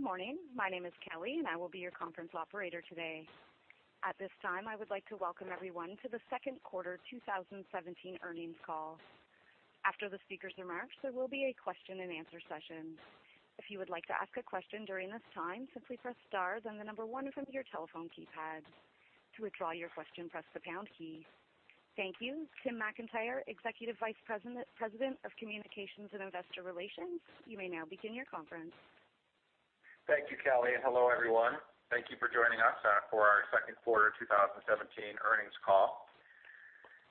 Good morning. My name is Kelly, and I will be your conference operator today. At this time, I would like to welcome everyone to the second quarter 2017 earnings call. After the speakers' remarks, there will be a question and answer session. If you would like to ask a question during this time, simply press star then 1 from your telephone keypad. To withdraw your question, press the pound key. Thank you. Tim McIntyre, Executive Vice President of Communications and Investor Relations, you may now begin your conference. Thank you, Kelly, and hello, everyone. Thank you for joining us for our second quarter 2017 earnings call.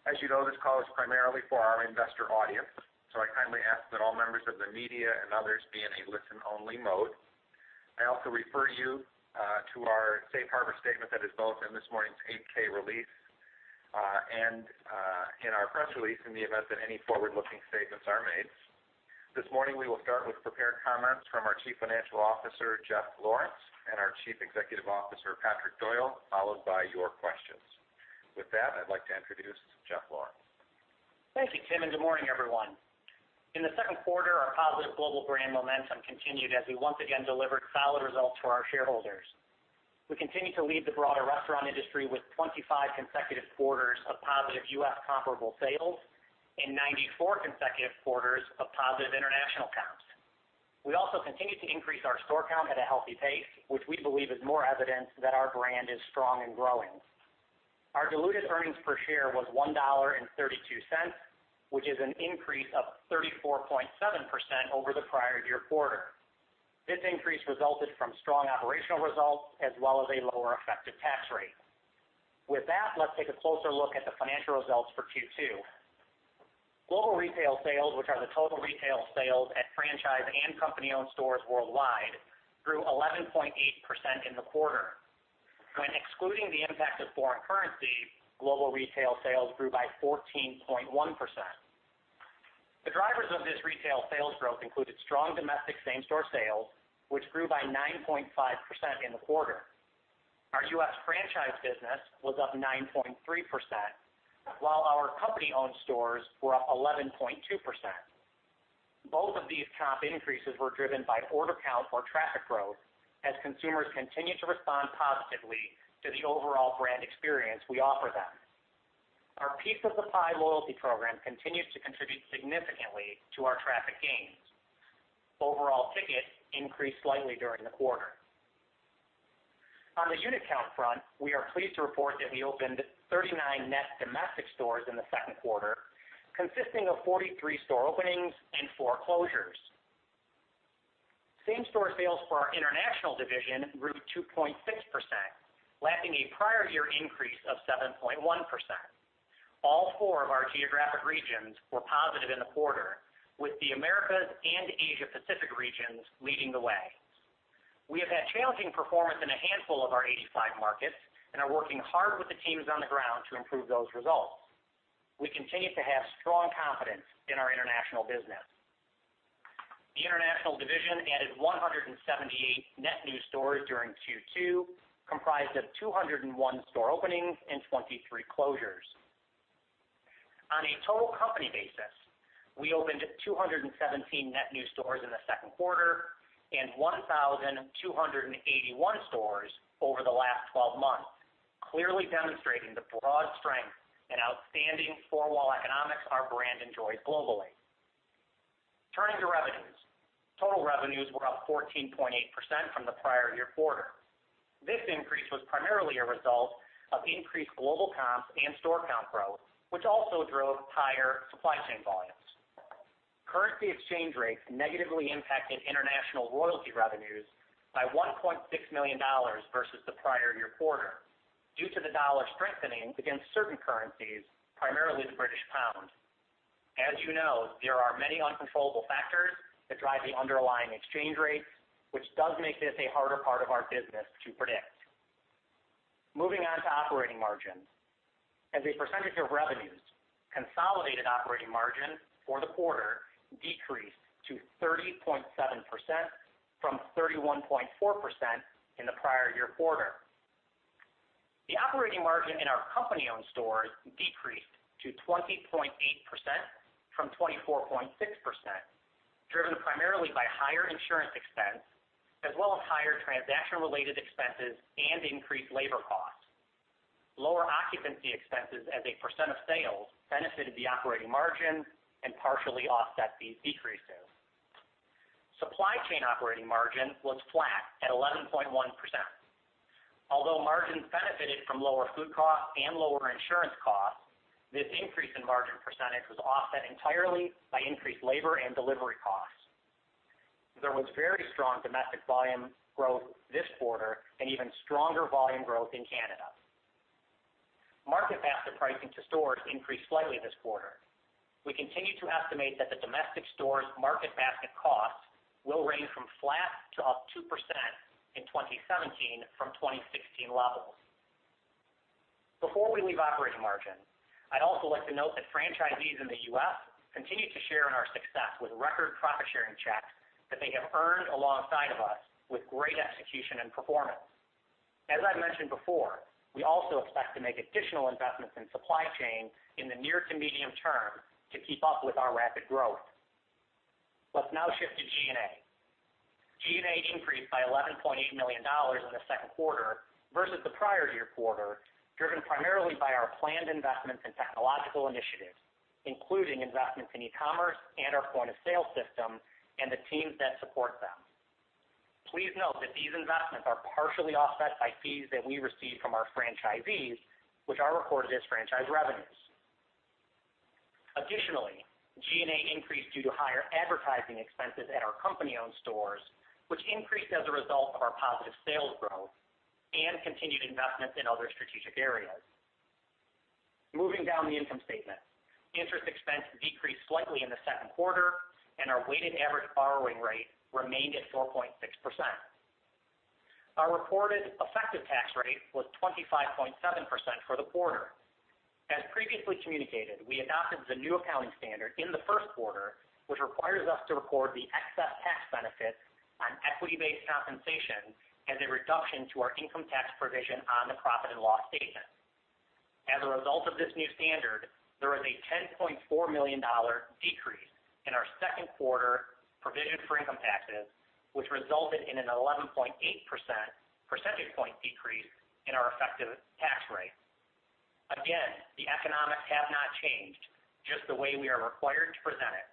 As you know, this call is primarily for our investor audience, I kindly ask that all members of the media and others be in a listen-only mode. I also refer you to our safe harbor statement that is both in this morning's 8-K release and in our press release in the event that any forward-looking statements are made. This morning, we will start with prepared comments from our Chief Financial Officer, Jeff Lawrence, and our Chief Executive Officer, Patrick Doyle, followed by your questions. With that, I'd like to introduce Jeff Lawrence. Thank you, Tim, and good morning, everyone. In the second quarter, our positive global brand momentum continued as we once again delivered solid results for our shareholders. We continue to lead the broader restaurant industry with 25 consecutive quarters of positive U.S. comparable sales and 94 consecutive quarters of positive international comps. We also continue to increase our store count at a healthy pace, which we believe is more evidence that our brand is strong and growing. Our diluted earnings per share was $1.32, which is an increase of 34.7% over the prior year quarter. This increase resulted from strong operational results as well as a lower effective tax rate. With that, let's take a closer look at the financial results for Q2. Global retail sales, which are the total retail sales at franchise and company-owned stores worldwide, grew 11.8% in the quarter. When excluding the impact of foreign currency, global retail sales grew by 14.1%. The drivers of this retail sales growth included strong domestic same-store sales, which grew by 9.5% in the quarter. Our U.S. franchise business was up 9.3%, while our company-owned stores were up 11.2%. Both of these comp increases were driven by order count or traffic growth as consumers continue to respond positively to the overall brand experience we offer them. Our Piece of the Pie loyalty program continues to contribute significantly to our traffic gains. Overall ticket increased slightly during the quarter. On the unit count front, we are pleased to report that we opened 39 net domestic stores in the second quarter, consisting of 43 store openings and four closures. Same-store sales for our international division grew 2.6%, lapping a prior year increase of 7.1%. All four of our geographic regions were positive in the quarter, with the Americas and Asia Pacific regions leading the way. We have had challenging performance in a handful of our 85 markets and are working hard with the teams on the ground to improve those results. We continue to have strong confidence in our international business. The international division added 178 net new stores during Q2, comprised of 201 store openings and 23 closures. On a total company basis, we opened 217 net new stores in the second quarter and 1,281 stores over the last 12 months, clearly demonstrating the broad strength and outstanding four-wall economics our brand enjoys globally. Turning to revenues. Total revenues were up 14.8% from the prior year quarter. This increase was primarily a result of increased global comps and store count growth, which also drove higher supply chain volumes. Currency exchange rates negatively impacted international royalty revenues by $1.6 million versus the prior year quarter due to the dollar strengthening against certain currencies, primarily the British pound. As you know, there are many uncontrollable factors that drive the underlying exchange rates, which does make this a harder part of our business to predict. Moving on to operating margins. As a percentage of revenues, consolidated operating margin for the quarter decreased to 30.7% from 31.4% in the prior year quarter. The operating margin in our company-owned stores decreased to 20.8% from 24.6%, driven primarily by higher insurance expense as well as higher transaction-related expenses and increased labor costs. Lower occupancy expenses as a % of sales benefited the operating margin and partially offset these decreases. Supply chain operating margin was flat at 11.1%. Although margins benefited from lower food costs and lower insurance costs, this increase in margin percentage was offset entirely by increased labor and delivery costs. There was very strong domestic volume growth this quarter and even stronger volume growth in Canada. Market basket pricing to stores increased slightly this quarter. We continue to estimate that the domestic stores' market basket cost will range from flat to up 2% in 2017 from 2016 levels. Before we leave operating margin, I'd also like to note that franchisees in the U.S. continue to share in our success with record profit-sharing checks that they have earned alongside of us with great execution and performance. As I mentioned before, we also expect to make additional investments in supply chain in the near to medium term to keep up with our rapid growth. Let's now shift to G&A. G&A increased by $11.8 million in the second quarter versus the prior year quarter, driven primarily by our planned investments in technological initiatives, including investments in e-commerce and our point-of-sale system and the teams that support them. Please note that these investments are partially offset by fees that we receive from our franchisees, which are recorded as franchise revenues. Additionally, G&A increased due to higher advertising expenses at our company-owned stores, which increased as a result of our positive sales growth and continued investments in other strategic areas. Moving down the income statement, interest expense decreased slightly in the second quarter, and our weighted average borrowing rate remained at 4.6%. Our reported effective tax rate was 25.7% for the quarter. As previously communicated, we adopted the new accounting standard in the first quarter, which requires us to record the excess tax benefit on equity-based compensation as a reduction to our income tax provision on the profit and loss statement. As a result of this new standard, there is a $10.4 million decrease in our second quarter provision for income taxes, which resulted in an 11.8 percentage point decrease in our effective tax rate. Again, the economics have not changed, just the way we are required to present it.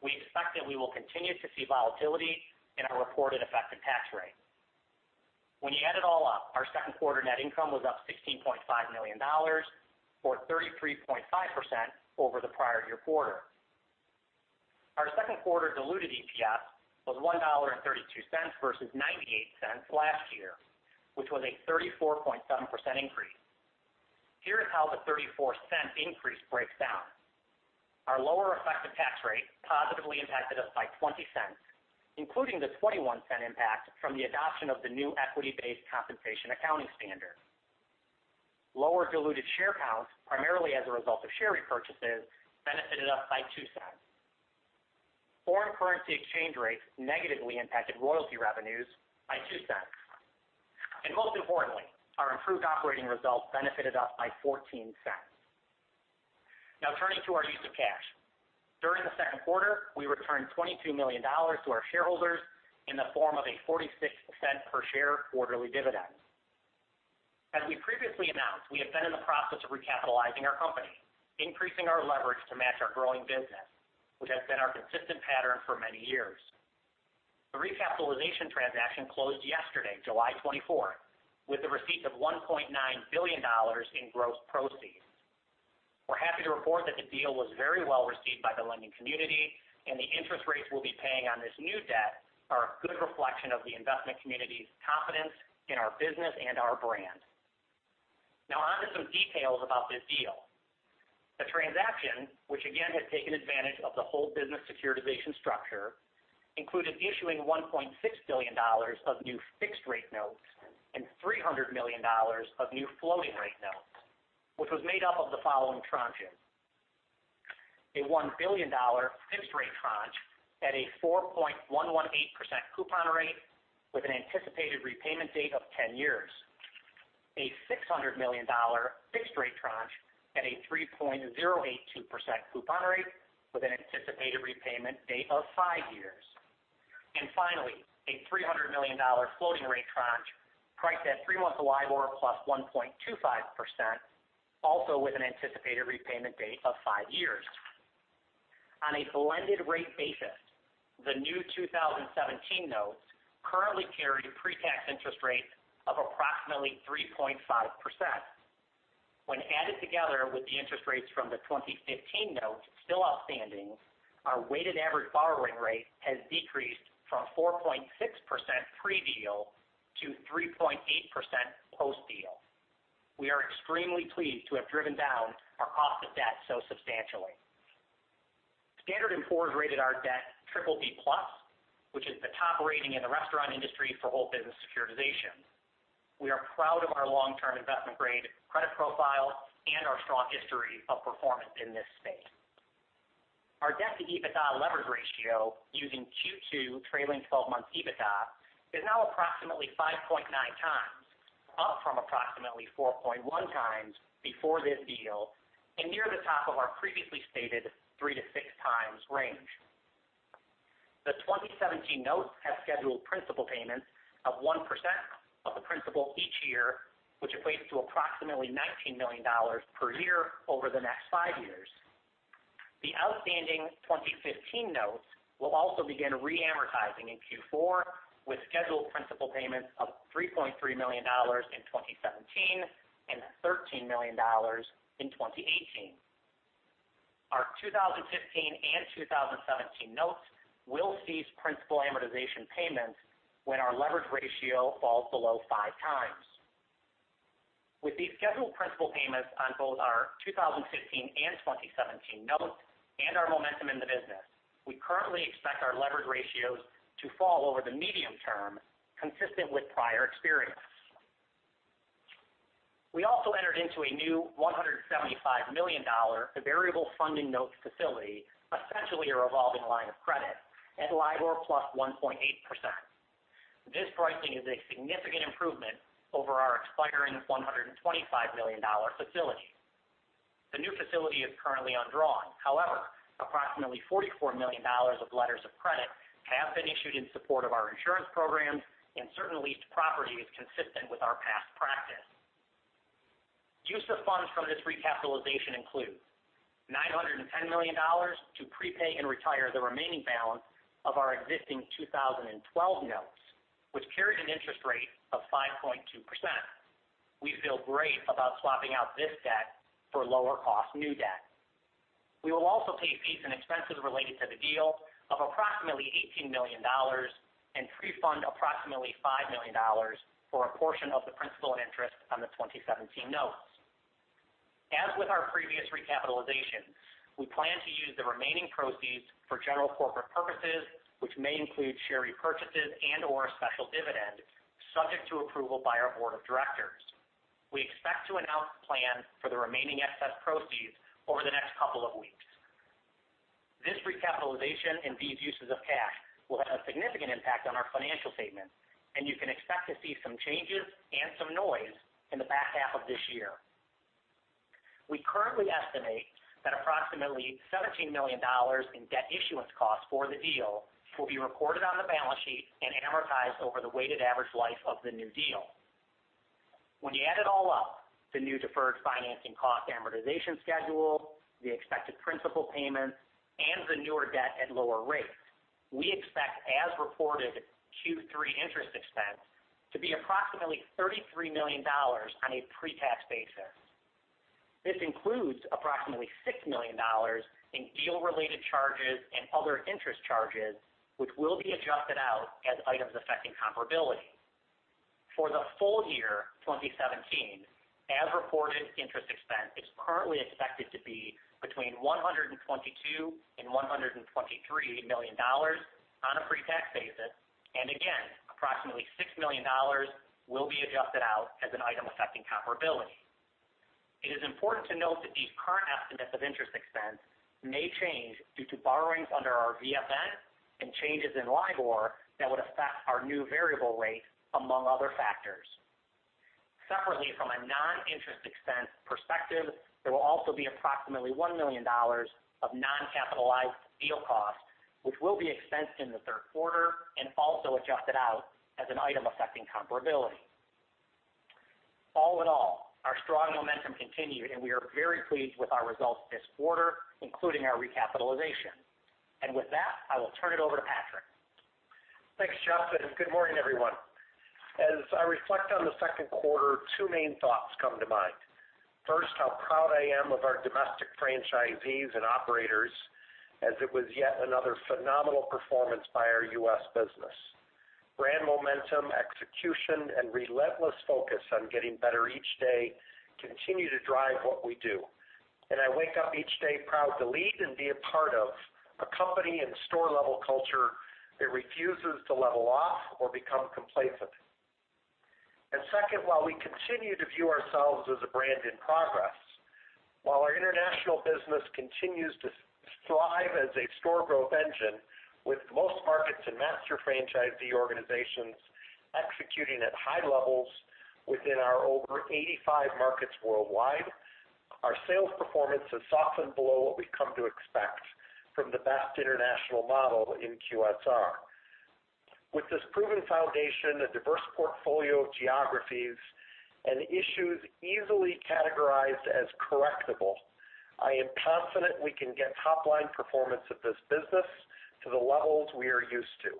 We expect that we will continue to see volatility in our reported effective tax rate. When you add it all up, our second quarter net income was up $16.5 million or 33.5% over the prior year quarter. Our second quarter diluted EPS was $1.32 versus $0.98 last year, which was a 34.7% increase. Here is how the $0.34 increase breaks down. Our lower effective tax rate positively impacted us by $0.20, including the $0.21 impact from the adoption of the new equity-based compensation accounting standard. Lower diluted share count, primarily as a result of share repurchases, benefited us by $0.02. Foreign currency exchange rates negatively impacted royalty revenues by $0.02. Most importantly, our improved operating results benefited us by $0.14. Now turning to our use of cash. During the second quarter, we returned $22 million to our shareholders in the form of a $0.46 per share quarterly dividend. As we previously announced, we have been in the process of recapitalizing our company, increasing our leverage to match our growing business, which has been our consistent pattern for many years. The recapitalization transaction closed yesterday, July 24th, with the receipt of $1.9 billion in gross proceeds. We're happy to report that the deal was very well received by the lending community. The interest rates we'll be paying on this new debt are a good reflection of the investment community's confidence in our business and our brand. Now on to some details about this deal. The transaction, which again has taken advantage of the whole business securitization structure, included issuing $1.6 billion of new fixed rate notes and $300 million of new floating rate notes, which was made up of the following tranches: a $1 billion fixed rate tranche at a 4.118% coupon rate with an anticipated repayment date of 10 years, a $600 million fixed rate tranche at a 3.082% coupon rate with an anticipated repayment date of five years. Finally, a $300 million floating rate tranche priced at three months LIBOR plus 1.25%, also with an anticipated repayment date of five years. On a blended rate basis, the new 2017 notes currently carry pretax interest rates of approximately 3.5%. When added together with the interest rates from the 2015 notes still outstanding, our weighted average borrowing rate has decreased from 4.6% pre-deal to 3.8% post-deal. We are extremely pleased to have driven down our cost of debt so substantially. Standard & Poor's rated our debt BBB+, which is the top rating in the restaurant industry for whole business securitizations. We are proud of our long-term investment grade credit profile and our strong history of performance in this space. Our debt-to-EBITDA leverage ratio using Q2 trailing 12 months EBITDA is now approximately 5.9 times, up from approximately 4.1 times before this deal and near the top of our previously stated 3 to 6 times range. The 2017 notes have scheduled principal payments of 1% of the principal each year, which equates to approximately $19 million per year over the next five years. The outstanding 2015 notes will also begin re-amortizing in Q4 with scheduled principal payments of $3.3 million in 2017 and $13 million in 2018. Our 2015 and 2017 notes will cease principal amortization payments when our leverage ratio falls below five times. With these scheduled principal payments on both our 2015 and 2017 notes and our momentum in the business, we currently expect our leverage ratios to fall over the medium term, consistent with prior experience. We also entered into a new $175 million variable funding notes facility, essentially a revolving line of credit at LIBOR plus 1.8%. This pricing is a significant improvement over our expiring $125 million facility. The new facility is currently undrawn. Approximately $44 million of letters of credit have been issued in support of our insurance programs and certain leased properties consistent with our past practice. Use of funds from this recapitalization include $910 million to prepay and retire the remaining balance of our existing 2012 notes, which carried an interest rate of 5.2%. We feel great about swapping out this debt for lower-cost new debt. We will also pay fees and expenses related to the deal of approximately $18 million and pre-fund approximately $5 million for a portion of the principal and interest on the 2017 notes. As with our previous recapitalization, we plan to use the remaining proceeds for general corporate purposes, which may include share repurchases and/or a special dividend, subject to approval by our board of directors. We expect to announce plans for the remaining excess proceeds over the next couple of weeks. This recapitalization and these uses of cash will have a significant impact on our financial statements, and you can expect to see some changes and some noise in the back half of this year. We currently estimate that approximately $17 million in debt issuance costs for the deal will be reported on the balance sheet and amortized over the weighted average life of the new deal. When you add it all up, the new deferred financing cost amortization schedule, the expected principal payments, and the newer debt at lower rates, we expect as reported Q3 interest expense to be approximately $33 million on a pre-tax basis. This includes approximately $6 million in deal-related charges and other interest charges, which will be adjusted out as items affecting comparability. For the full year 2017, as reported interest expense is currently expected to be between $122 million and $123 million on a pre-tax basis, and again, approximately $6 million will be adjusted out as an item affecting comparability. It is important to note that these current estimates of interest expense may change due to borrowings under our VFN and changes in LIBOR that would affect our new variable rate among other factors. Separately, from a non-interest expense perspective, there will also be approximately $1 million of non-capitalized deal costs, which will be expensed in the third quarter and also adjusted out as an item affecting comparability. All in all, our strong momentum continued, and we are very pleased with our results this quarter, including our recapitalization. With that, I will turn it over to Patrick. Thanks, Jeff, good morning, everyone. As I reflect on the second quarter, two main thoughts come to mind. First, how proud I am of our domestic franchisees and operators, as it was yet another phenomenal performance by our U.S. business. Brand momentum, execution, and relentless focus on getting better each day continue to drive what we do. I wake up each day proud to lead and be a part of a company and store-level culture that refuses to level off or become complacent. Second, while we continue to view ourselves as a brand in progress, while our international business continues to thrive as a store growth engine with most markets and master franchisee organizations executing at high levels within our over 85 markets worldwide, our sales performance has softened below what we've come to expect from the best international model in QSR. With this proven foundation, a diverse portfolio of geographies, and issues easily categorized as correctable, I am confident we can get top-line performance of this business to the levels we are used to.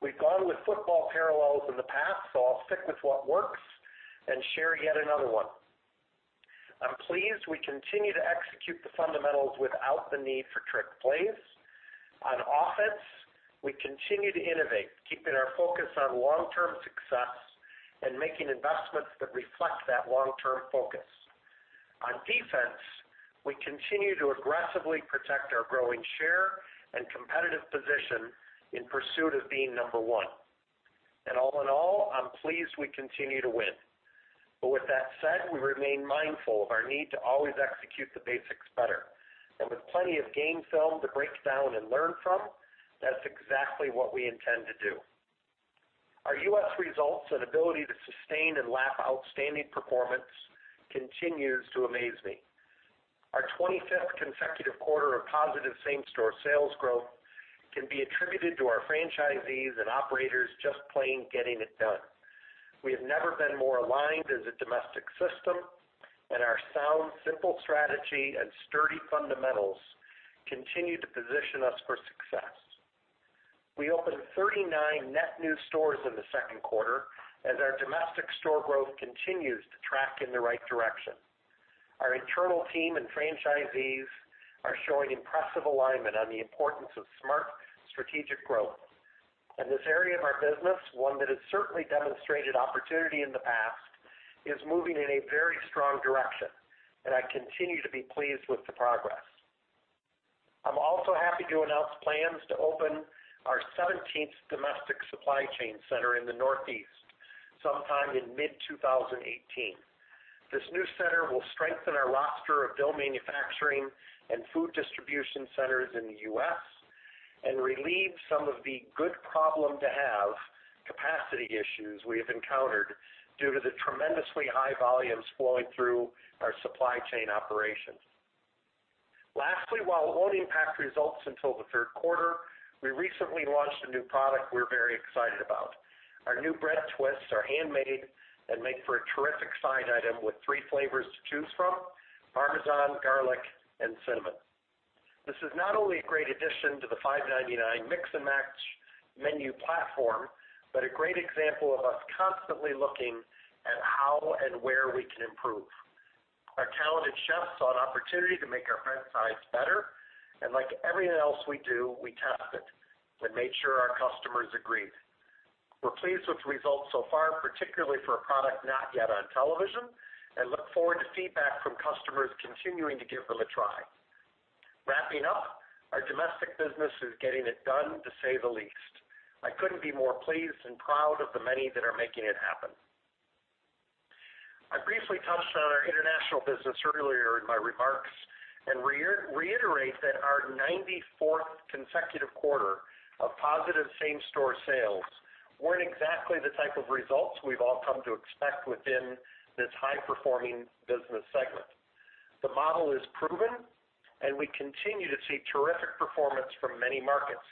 We've gone with football parallels in the past, so I'll stick with what works and share yet another one. I'm pleased we continue to execute the fundamentals without the need for trick plays. On offense, we continue to innovate, keeping our focus on long-term success and making investments that reflect that long-term focus. On defense, we continue to aggressively protect our growing share and competitive position in pursuit of being number one. All in all, I'm pleased we continue to win. With that said, we remain mindful of our need to always execute the basics better. With plenty of game film to break down and learn from, that's exactly what we intend to do. Our U.S. results and ability to sustain and lap outstanding performance continues to amaze me. Our 25th consecutive quarter of positive same-store sales growth can be attributed to our franchisees and operators just plain getting it done. We have never been more aligned as a domestic system, and our sound, simple strategy and sturdy fundamentals continue to position us for success. We opened 39 net new stores in the second quarter as our domestic store growth continues to track in the right direction. Our internal team and franchisees are showing impressive alignment on the importance of smart, strategic growth. This area of our business, one that has certainly demonstrated opportunity in the past, is moving in a very strong direction, and I continue to be pleased with the progress. Happy to announce plans to open our 17th domestic supply chain center in the Northeast sometime in mid-2018. This new center will strengthen our roster of dough manufacturing and food distribution centers in the U.S. and relieve some of the good problem to have capacity issues we have encountered due to the tremendously high volumes flowing through our supply chain operations. Lastly, while it won't impact results until the third quarter, we recently launched a new product we're very excited about. Our new Bread Twists are handmade and make for a terrific side item with three flavors to choose from, Parmesan, Garlic, and Cinnamon. This is not only a great addition to the $5.99 mix and match menu platform, but a great example of us constantly looking at how and where we can improve. Our talented chefs saw an opportunity to make our bread sides better, like everything else we do, we tested and made sure our customers agreed. We're pleased with results so far, particularly for a product not yet on television, and look forward to feedback from customers continuing to give them a try. Wrapping up, our domestic business is getting it done, to say the least. I couldn't be more pleased and proud of the many that are making it happen. I briefly touched on our international business earlier in my remarks and reiterate that our 94th consecutive quarter of positive same-store sales weren't exactly the type of results we've all come to expect within this high-performing business segment. The model is proven, and we continue to see terrific performance from many markets,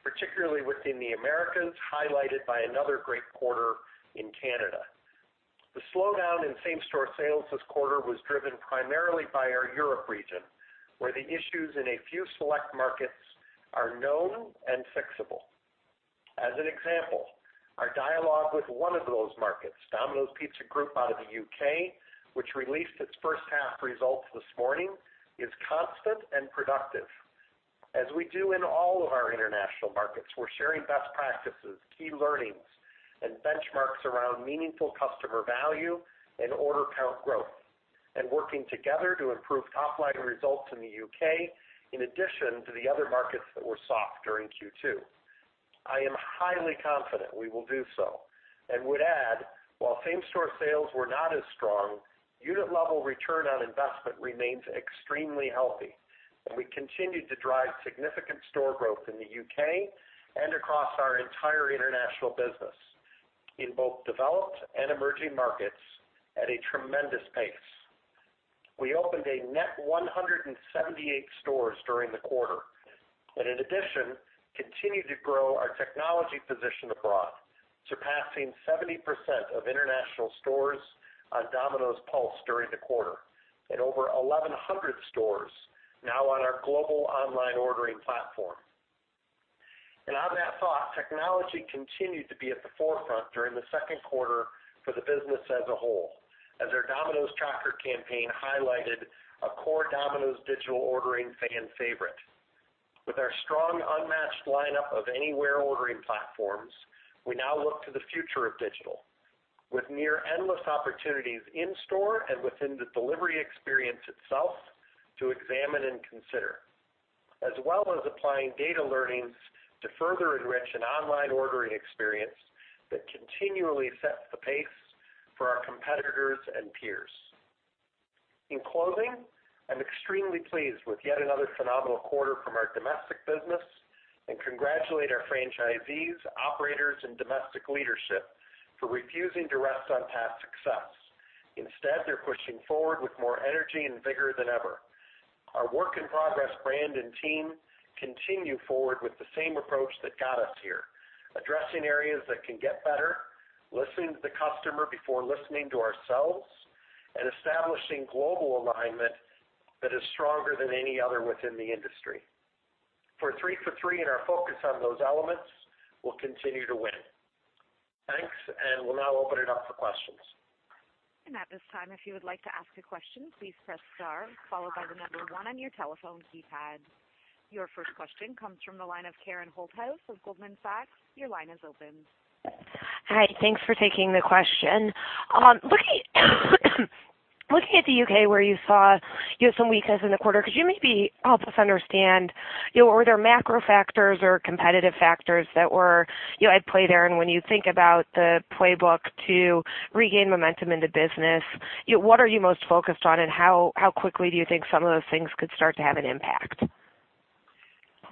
particularly within the Americas, highlighted by another great quarter in Canada. The slowdown in same-store sales this quarter was driven primarily by our Europe region, where the issues in a few select markets are known and fixable. As an example, our dialogue with one of those markets, Domino's Pizza Group out of the U.K., which released its first half results this morning, is constant and productive. Working together to improve top-line results in the U.K., in addition to the other markets that were soft during Q2. I am highly confident we will do so. Would add, while same-store sales were not as strong, unit level return on investment remains extremely healthy, and we continued to drive significant store growth in the U.K. and across our entire international business in both developed and emerging markets at a tremendous pace. We opened a net 178 stores during the quarter. In addition, continued to grow our technology position abroad, surpassing 70% of international stores on Domino's Pulse during the quarter and over 1,100 stores now on our Global Online Ordering platform. On that thought, technology continued to be at the forefront during the second quarter for the business as a whole, as our Domino's Tracker campaign highlighted a core Domino's digital ordering fan favorite. With our strong, unmatched lineup of anywhere ordering platforms, we now look to the future of digital with near endless opportunities in store and within the delivery experience itself to examine and consider, as well as applying data learnings to further enrich an online ordering experience that continually sets the pace for our competitors and peers. In closing, I'm extremely pleased with yet another phenomenal quarter from our domestic business and congratulate our franchisees, operators, and domestic leadership for refusing to rest on past success. Instead, they're pushing forward with more energy and vigor than ever. Our work in progress brand and team continue forward with the same approach that got us here, addressing areas that can get better, listening to the customer before listening to ourselves, and establishing global alignment that is stronger than any other within the industry. For three for three in our focus on those elements, we'll continue to win. Thanks. We'll now open it up for questions. At this time, if you would like to ask a question, please press star followed by the number 1 on your telephone keypad. Your first question comes from the line of Karen Holthouse of Goldman Sachs. Your line is open. Hi. Thanks for taking the question. Looking at the U.K. where you saw you had some weakness in the quarter, could you maybe help us understand, were there macro factors or competitive factors that were at play there? When you think about the playbook to regain momentum in the business, what are you most focused on, and how quickly do you think some of those things could start to have an impact?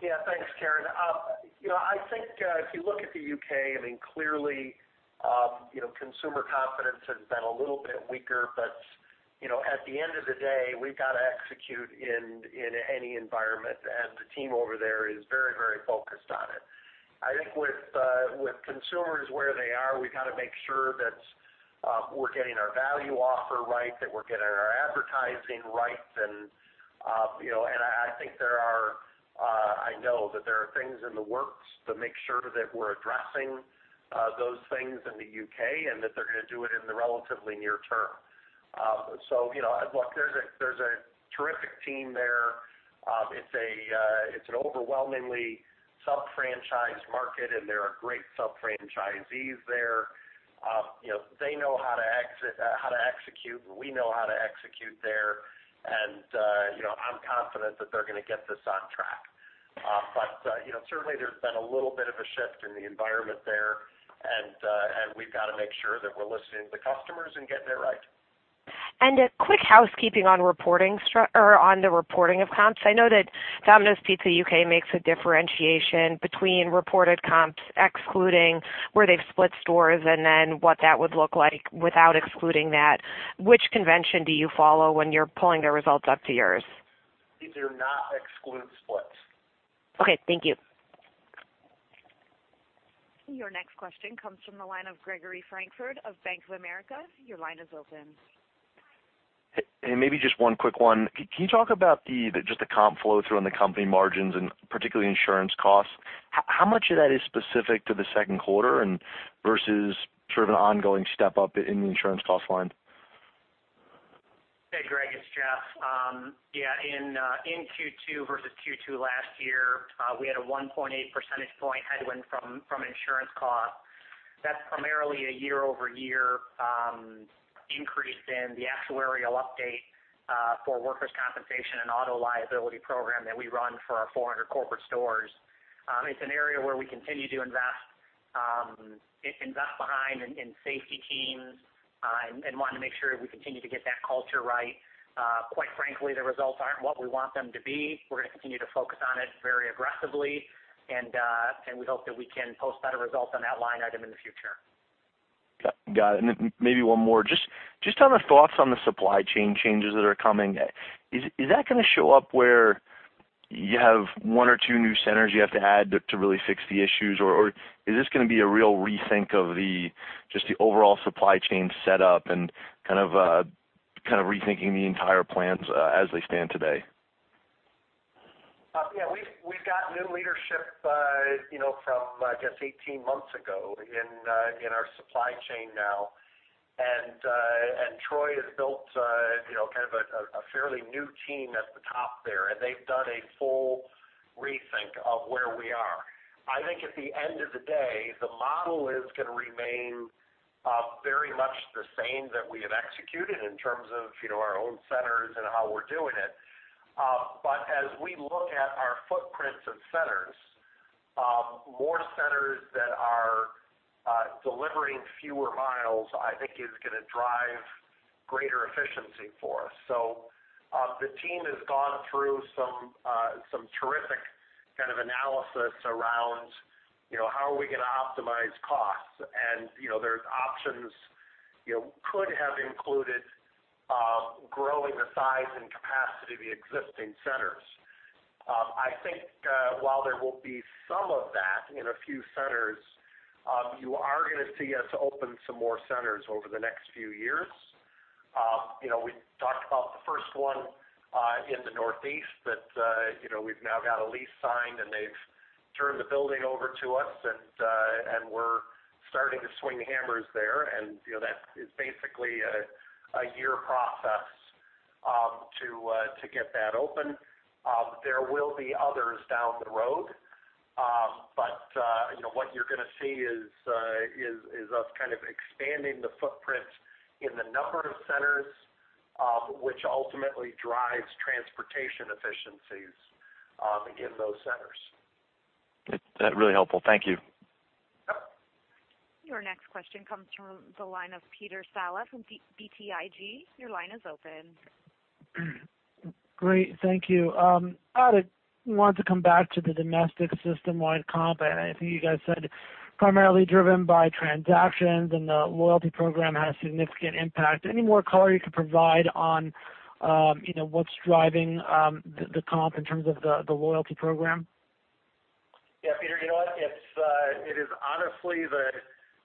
Yeah. Thanks, Karen. I think if you look at the U.K., clearly consumer confidence has been a little bit weaker. At the end of the day, we've got to execute in any environment, and the team over there is very focused on it. I think with consumers where they are, we've got to make sure that we're getting our value offer right, that we're getting our advertising right. I know that there are things in the works to make sure that we're addressing those things in the U.K. and that they're going to do it in the relatively near term. There's a terrific team there. It's an overwhelmingly sub-franchise market, and there are great sub-franchisees there. They know how to execute. We know how to execute there, and I'm confident that they're going to get this on track. Certainly, there's been a little bit of a shift in the environment there, and we've got to make sure that we're listening to customers and getting it right. A quick housekeeping on the reporting of comps. I know that Domino's Pizza U.K. makes a differentiation between reported comps, excluding where they've split stores, what that would look like without excluding that. Which convention do you follow when you're pulling their results up to yours? These do not exclude splits. Okay, thank you. Your next question comes from the line of Gregory Francfort of Bank of America. Your line is open. Hey. Maybe just one quick one. Can you talk about just the comp flow through in the company margins and particularly insurance costs? How much of that is specific to the second quarter versus an ongoing step-up in the insurance cost line? Hey, Greg, it's Jeff. Yeah, in Q2 versus Q2 last year, we had a 1.8 percentage point headwind from insurance costs. That's primarily a year-over-year increase in the actuarial update for workers' compensation and auto liability program that we run for our 400 corporate stores. It's an area where we continue to invest behind in safety teams and want to make sure we continue to get that culture right. Quite frankly, the results aren't what we want them to be. We're going to continue to focus on it very aggressively, and we hope that we can post better results on that line item in the future. Got it. Maybe one more. Just on the thoughts on the supply chain changes that are coming, is that going to show up where you have one or two new centers you have to add to really fix the issues? Is this going to be a real rethink of just the overall supply chain set up and rethinking the entire plans as they stand today? Yeah. We've got new leadership from, I guess, 18 months ago in our supply chain now. Troy has built a fairly new team at the top there, and they've done a full rethink of where we are. I think at the end of the day, the model is going to remain very much the same that we have executed in terms of our own centers and how we're doing it. As we look at our footprints of centers, more centers that are delivering fewer miles, I think, is going to drive greater efficiency for us. The team has gone through some terrific kind of analysis around how are we going to optimize costs. There's options, could have included growing the size and capacity of the existing centers. I think while there will be some of that in a few centers, you are going to see us open some more centers over the next few years. We talked about the first one in the Northeast, we've now got a lease signed, and they've turned the building over to us, and we're starting to swing hammers there. That is basically a year process to get that open. There will be others down the road. What you're going to see is us kind of expanding the footprint in the number of centers, which ultimately drives transportation efficiencies in those centers. That's really helpful. Thank you. Yep. Your next question comes from the line of Peter Saleh from BTIG. Your line is open. Great. Thank you. I want to come back to the domestic system-wide comp. I think you guys said primarily driven by transactions and the loyalty program has a significant impact. Any more color you could provide on what's driving the comp in terms of the loyalty program? Peter, you know what? It is honestly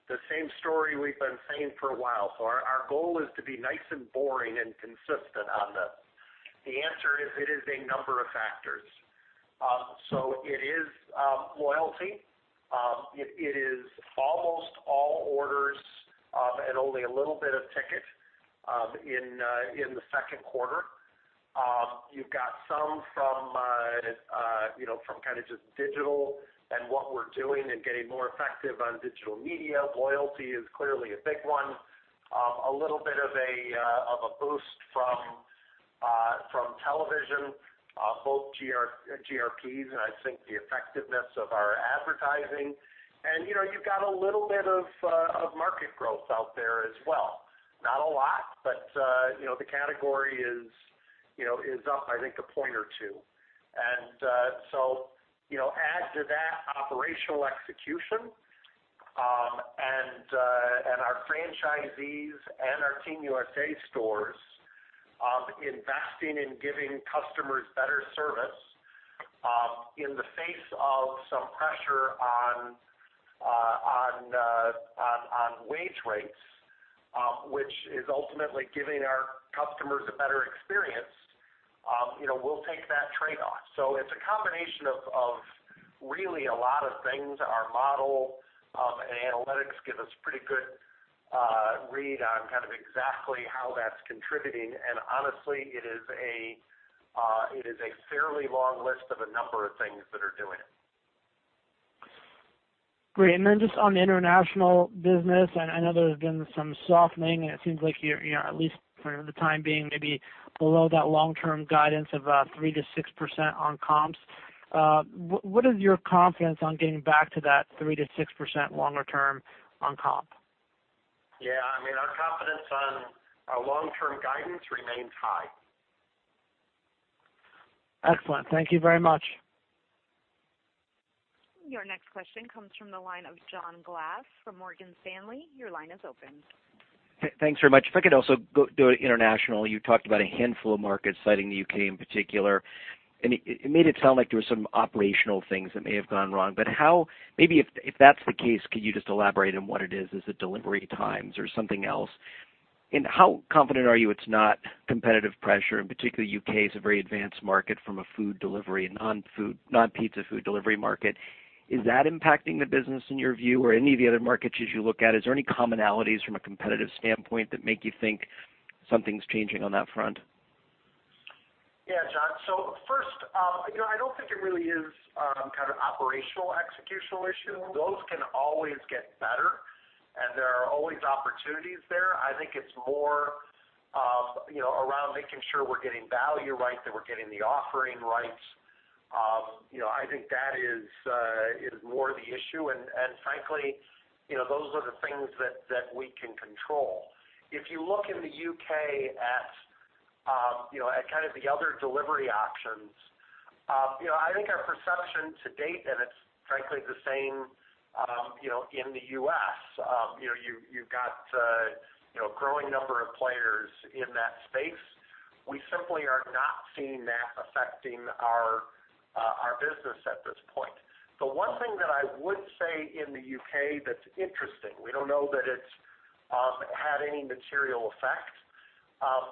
the same story we've been saying for a while. Our goal is to be nice and boring and consistent on this. The answer is, it is a number of factors. It is loyalty. It is almost all orders and only a little bit of ticket in the second quarter. You've got some from kind of just digital and what we're doing and getting more effective on digital media. Loyalty is clearly a big one. A little bit of a boost from television, both GRPs and I think the effectiveness of our advertising. You've got a little bit of market growth out there as well. Not a lot, but the category is up, I think, a point or two. Add to that operational execution, and our franchisees and our Team USA stores investing in giving customers better service in the face of some pressure on wage rates, which is ultimately giving our customers a better experience. We'll take that trade-off. It's a combination of really a lot of things. Our model and analytics give us pretty good read on kind of exactly how that's contributing, and honestly, it is a fairly long list of a number of things that are doing it. Great. Just on the international business, I know there's been some softening, and it seems like you're, at least for the time being, maybe below that long-term guidance of 3%-6% on comps. What is your confidence on getting back to that 3%-6% longer term on comp? Our confidence on our long-term guidance remains high. Excellent. Thank you very much. Your next question comes from the line of John Glass from Morgan Stanley. Your line is open. Thanks very much. If I could also go to international. You talked about a handful of markets, citing the U.K. in particular. It made it sound like there were some operational things that may have gone wrong. Maybe if that's the case, could you just elaborate on what it is? Is it delivery times or something else? How confident are you it's not competitive pressure? In particular, U.K. is a very advanced market from a food delivery and non-pizza food delivery market. Is that impacting the business in your view, or any of the other markets as you look at? Is there any commonalities from a competitive standpoint that make you think something's changing on that front? Yeah, John. First, I don't think it really is kind of operational executional issues. Those can always get better, and there are always opportunities there. I think it's more around making sure we're getting value right, that we're getting the offering right. I think that is more the issue, and frankly, those are the things that we can control. If you look in the U.K. at kind of the other delivery options, I think our perception to date, and it's frankly the same in the U.S., you've got a growing number of players in that space. We simply are not seeing that affecting our business at this point. The one thing that I would say in the U.K. that's interesting, we don't know that it's had any material effect,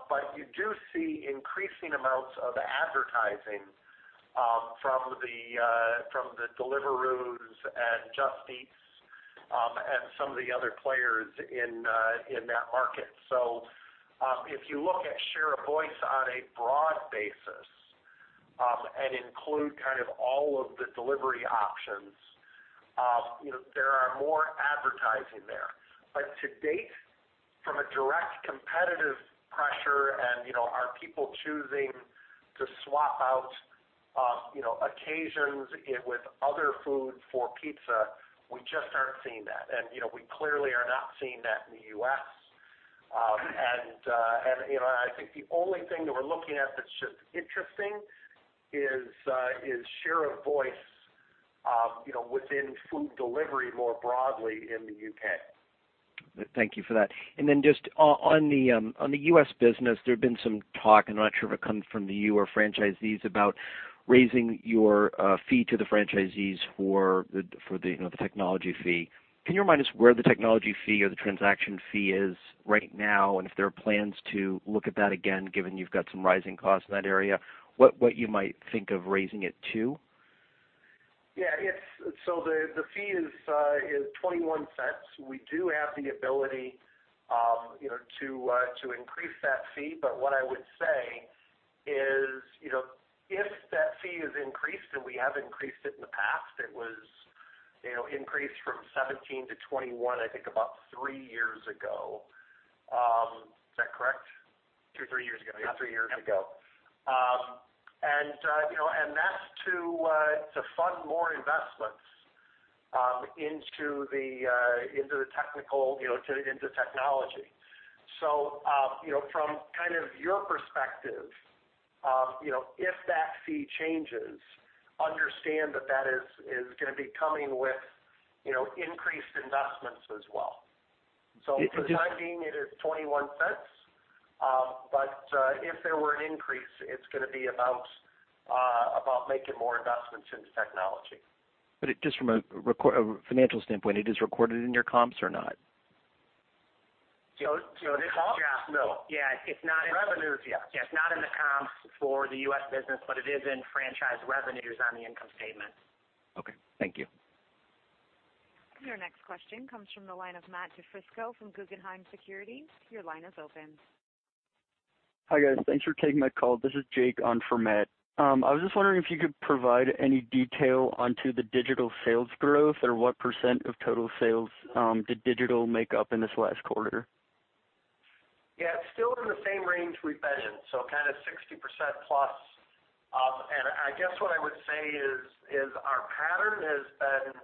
but you do see increasing amounts of advertising from the Deliveroo and Just Eat, and some of the other players in that market. If you look at share of voice on a broad basis and include kind of all of the delivery options, there are more advertising there. To date, from a direct competitive pressure and are people choosing to swap out occasions with other food for pizza, we just aren't seeing that. We clearly are not seeing that in the U.S. I think the only thing that we're looking at that's just interesting is share of voice within food delivery more broadly in the U.K. Thank you for that. Just on the U.S. business, there's been some talk, I'm not sure if it comes from you or franchisees, about raising your fee to the franchisees for the technology fee. Can you remind us where the technology fee or the transaction fee is right now, and if there are plans to look at that again, given you've got some rising costs in that area, what you might think of raising it to? Yeah. The fee is $0.21. We do have the ability to increase that fee. What I would say is, if that fee is increased, and we have increased it in the past, it was increased from $0.17 to $0.21, I think about three years ago. Is that correct? Two, three years ago, yeah. Three years ago. That's to fund more investments into technology. From kind of your perspective, if that fee changes, understand that that is going to be coming with increased investments as well. For the time being, it is $0.21. If there were an increase, it's going to be about making more investments into technology. Just from a financial standpoint, it is recorded in your comps or not? The comps. Yeah. No. Yeah. It's not in revenues. Yeah. It's not in the comps for the U.S. business, but it is in franchise revenues on the income statement. Okay. Thank you. Your next question comes from the line of Matthew DiFrisco from Guggenheim Securities. Your line is open. Hi, guys. Thanks for taking my call. This is Jake on for Matt. I was just wondering if you could provide any detail onto the digital sales growth or what % of total sales did digital make up in this last quarter? Yeah, it's still in the same range we've been in, so kind of 60%-plus. I guess what I would say is our pattern has been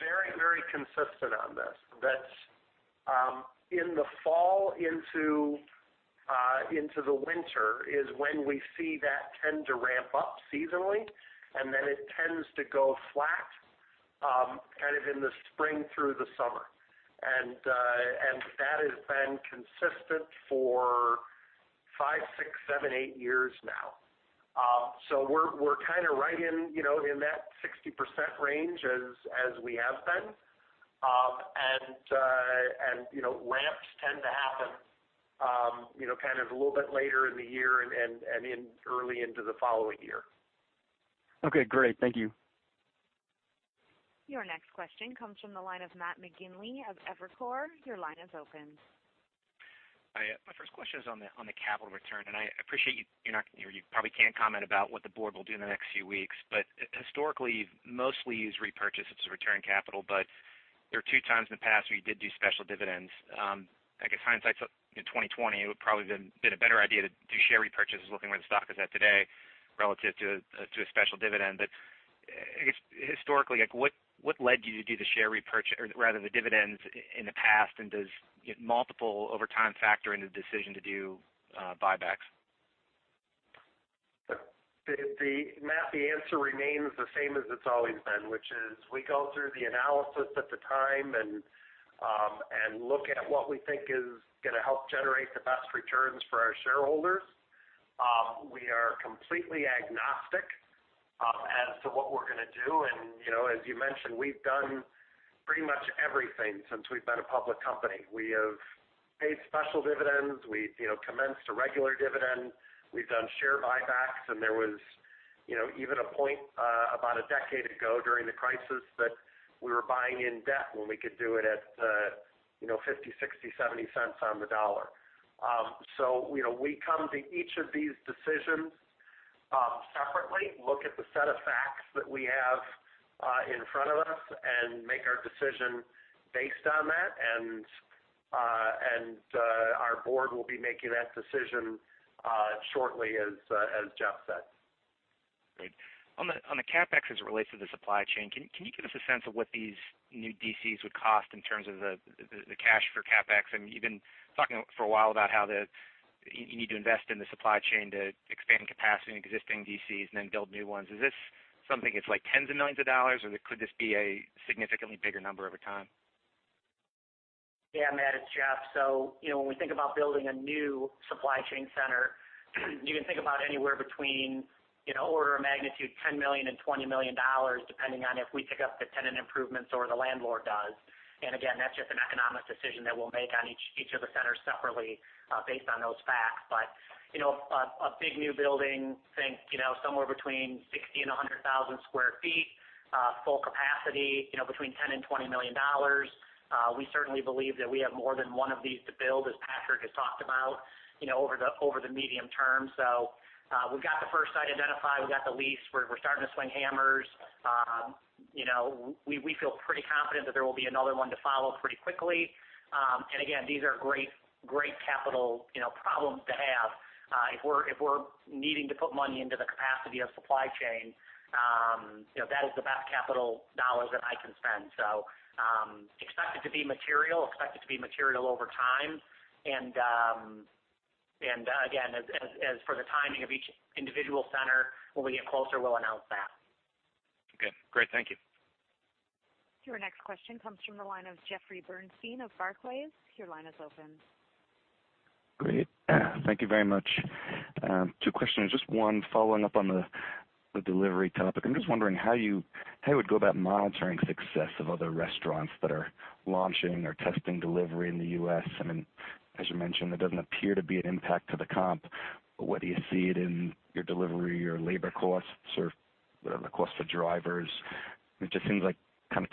very consistent on this. That in the fall into the winter is when we see that tend to ramp up seasonally, then it tends to go flat kind of in the spring through the summer. That has been consistent for five, six, seven, eight years now. We're kind of right in that 60% range as we have been. Ramps tend to happen kind of a little bit later in the year and early into the following year. Okay, great. Thank you. Your next question comes from the line of Matt McGinley of Evercore. Your line is open. Hi. My first question is on the capital return. I appreciate you probably can't comment about what the board will do in the next few weeks. Historically, mostly you use repurchases to return capital, but there were two times in the past where you did do special dividends. I guess hindsight's in 2020, it would probably been a better idea to do share repurchases looking where the stock is at today relative to a special dividend. I guess historically, what led you to do the share repurchase or rather the dividends in the past, and does multiple over time factor into the decision to do buybacks? Matt, the answer remains the same as it's always been, which is we go through the analysis at the time and look at what we think is going to help generate the best returns for our shareholders. We are completely agnostic as to what we're going to do. As you mentioned, we've done pretty much everything since we've been a public company. We have paid special dividends. We commenced a regular dividend. We've done share buybacks, and there was even a point about a decade ago during the crisis that we were buying in debt when we could do it at $0.50, $0.60, $0.70 on the dollar. We come to each of these decisions separately, look at the set of facts that we have in front of us, and make our decision based on that. Our board will be making that decision shortly as Jeff said. Great. On the CapEx as it relates to the supply chain, can you give us a sense of what these new D.C.s would cost in terms of the cash for CapEx? You've been talking for a while about how you need to invest in the supply chain to expand capacity in existing D.C.s and then build new ones. Is this something that's tens of millions of dollars, or could this be a significantly bigger number over time? Yeah, Matt, it's Jeff. When we think about building a new supply chain center, you can think about anywhere between an order of magnitude, $10 million and $20 million, depending on if we pick up the tenant improvements or the landlord does. Again, that's just an economic decision that we'll make on each of the centers separately based on those facts. But a big new building, think somewhere between 60,000 and 100,000 sq ft, full capacity, between $10 million and $20 million. We certainly believe that we have more than one of these to build, as Patrick has talked about over the medium term. We've got the first site identified. We've got the lease. We're starting to swing hammers. We feel pretty confident that there will be another one to follow pretty quickly. Again, these are great capital problems to have. If we're needing to put money into the capacity of supply chain, that is the best capital dollars that I can spend. Expect it to be material, expect it to be material over time. Again, as for the timing of each individual center, when we get closer, we'll announce that. Okay, great. Thank you. Your next question comes from the line of Jeffrey Bernstein of Barclays. Your line is open. Great. Thank you very much. Two questions, just one following up on the delivery topic. I'm just wondering how you would go about monitoring success of other restaurants that are launching or testing delivery in the U.S. As you mentioned, it doesn't appear to be an impact to the comp. Whether you see it in your delivery or labor costs or whatever costs for drivers, it just seems like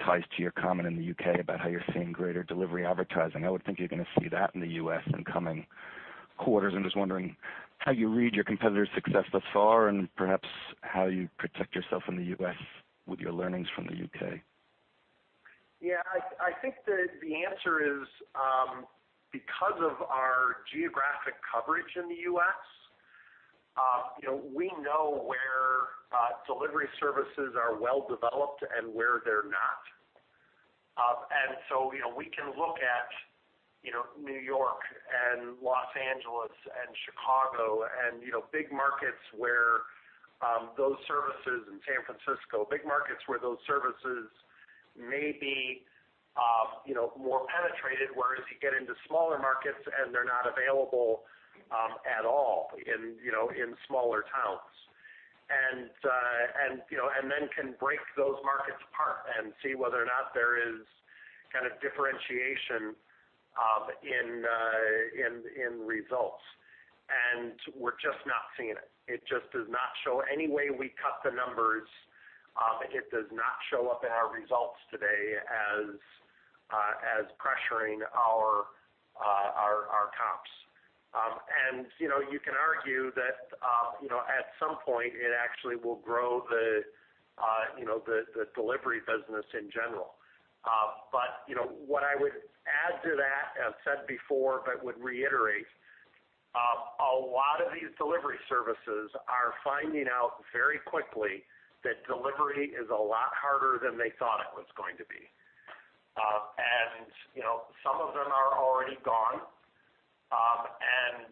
ties to your comment in the U.K. about how you're seeing greater delivery advertising. I would think you're going to see that in the U.S. in coming quarters. I'm just wondering how you read your competitors' success thus far and perhaps how you protect yourself in the U.S. with your learnings from the U.K. Yeah. I think that the answer is because of our geographic coverage in the U.S., we know where delivery services are well developed and where they're not. We can look at New York and Los Angeles and Chicago and big markets where those services in San Francisco, big markets where those services may be more penetrated, whereas you get into smaller markets and they're not available at all in smaller towns. Then can break those markets apart and see whether or not there is kind of differentiation in results. We're just not seeing it. It just does not show. Any way we cut the numbers, it does not show up in our results today as pressuring our comps. You can argue that at some point it actually will grow the delivery business in general. What I would add to that, I've said before, but would reiterate, a lot of these delivery services are finding out very quickly that delivery is a lot harder than they thought it was going to be. Some of them are already gone.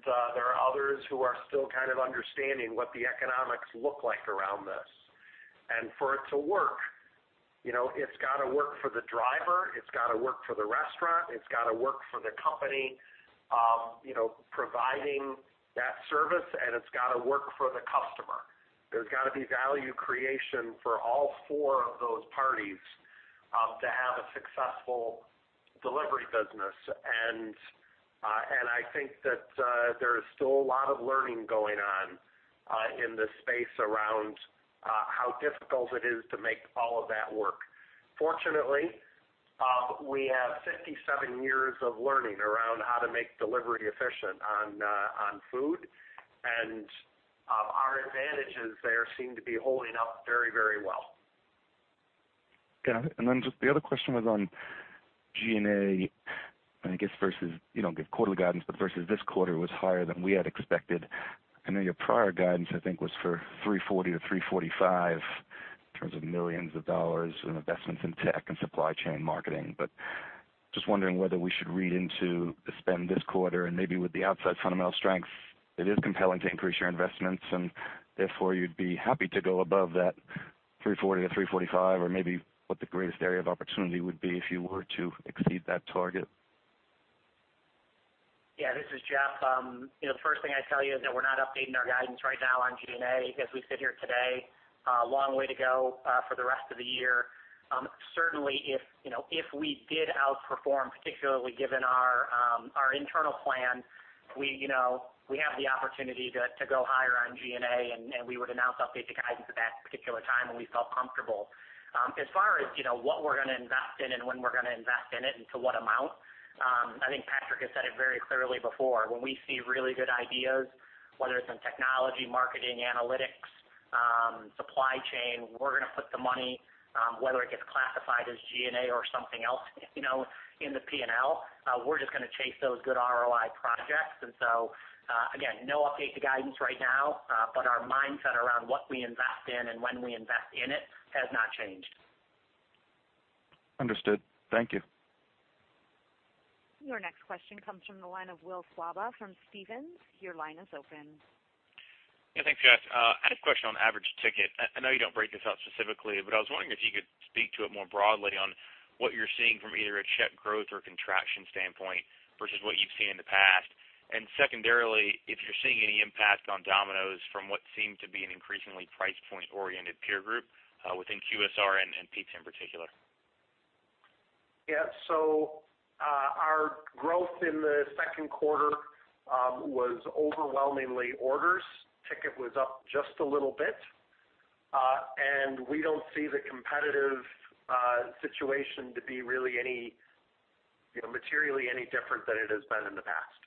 There are others who are still kind of understanding what the economics look like around this. For it to work, it's got to work for the driver, it's got to work for the restaurant, it's got to work for the company providing that service, and it's got to work for the customer. There's got to be value creation for all four of those parties to have a successful delivery business. I think that there is still a lot of learning going on in this space around how difficult it is to make all of that work. Fortunately, we have 57 years of learning around how to make delivery efficient on food, and our advantages there seem to be holding up very well. Got it. Just the other question was on G&A, and I guess you don't give quarterly guidance, but versus this quarter was higher than we had expected. I know your prior guidance, I think, was for $340 million-$345 million in investments in tech and supply chain marketing. Just wondering whether we should read into the spend this quarter and maybe with the outside fundamental strength, it is compelling to increase your investments and therefore you'd be happy to go above that $340 million-$345 million or maybe what the greatest area of opportunity would be if you were to exceed that target. This is Jeff. The first thing I'd tell you is that we're not updating our guidance right now on G&A. As we sit here today, a long way to go for the rest of the year. Certainly, if we did outperform, particularly given our internal plan, we have the opportunity to go higher on G&A, and we would announce updated guidance at that particular time when we felt comfortable. As far as what we're going to invest in and when we're going to invest in it and to what amount, I think Patrick has said it very clearly before. When we see really good ideas, whether it's in technology, marketing, analytics, supply chain, we're going to put the money, whether it gets classified as G&A or something else in the P&L. We're just going to chase those good ROI projects. Again, no update to guidance right now, but our mindset around what we invest in and when we invest in it has not changed. Understood. Thank you. Your next question comes from the line of Will Slabaugh from Stephens. Your line is open. Yeah, thanks guys. I had a question on average ticket. I know you don't break this out specifically, but I was wondering if you could speak to it more broadly on what you're seeing from either a check growth or contraction standpoint versus what you've seen in the past. Secondarily, if you're seeing any impact on Domino's from what seemed to be an increasingly price point-oriented peer group within QSR and pizza in particular. Our growth in the second quarter was overwhelmingly orders. Ticket was up just a little bit. We don't see the competitive situation to be really materially any different than it has been in the past.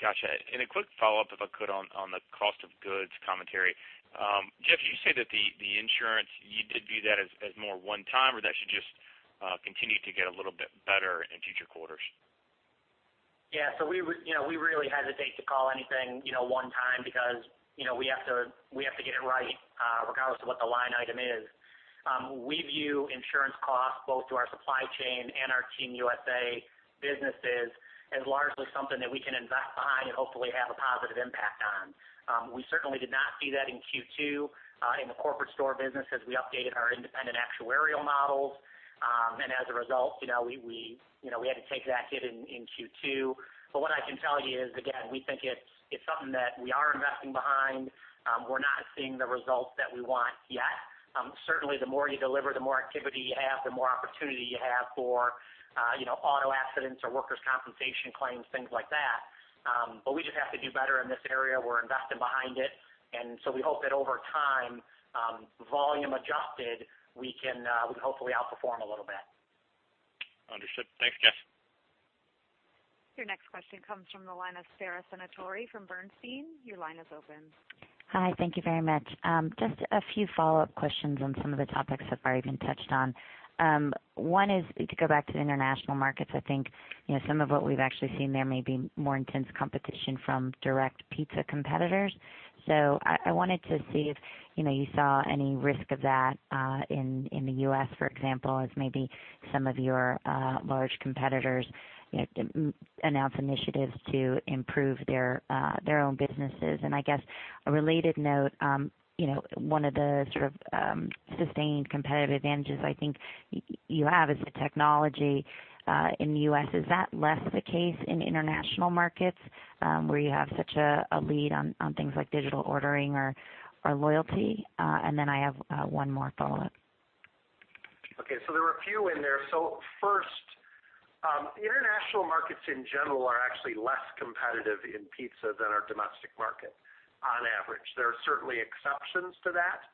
Got you. A quick follow-up, if I could, on the cost of goods commentary. Jeff, you say that the insurance, you did view that as more one-time, or that should just continue to get a little bit better in future quarters? We really hesitate to call anything one-time because we have to get it right, regardless of what the line item is. We view insurance costs, both to our supply chain and our Team USA businesses, as largely something that we can invest behind and hopefully have a positive impact on. We certainly did not see that in Q2 in the corporate store business as we updated our independent actuarial models. As a result, we had to take that hit in Q2. What I can tell you is, again, we think it's something that we are investing behind. We're not seeing the results that we want yet. Certainly, the more you deliver, the more activity you have, the more opportunity you have for auto accidents or workers' compensation claims, things like that. We just have to do better in this area. We're investing behind it. We hope that over time, volume adjusted, we can hopefully outperform a little bit. Understood. Thanks, Jeff. Your next question comes from the line of Sara Senatore from Bernstein. Your line is open. Hi, thank you very much. Just a few follow-up questions on some of the topics that have already been touched on. One is to go back to the international markets. I think some of what we've actually seen there may be more intense competition from direct pizza competitors. I wanted to see if you saw any risk of that in the U.S., for example, as maybe some of your large competitors announce initiatives to improve their own businesses. I guess a related note, one of the sort of sustained competitive advantages I think you have is the technology in the U.S. Is that less the case in international markets, where you have such a lead on things like digital ordering or loyalty? I have one more follow-up. Okay, there were a few in there. First, international markets in general are actually less competitive in pizza than our domestic market on average. There are certainly exceptions to that.